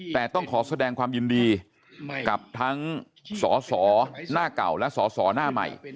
แต่ต้องขอแสดงความยินดีกับทั้งสสหน้าเก่าและสอสอหน้าใหม่